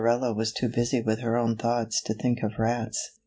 ella was too busy with her own thoughts to think of rats.